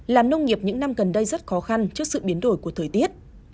làm nông nghiệp những năm gần đây rất khó khăn trước sự biến đổi của thời tiết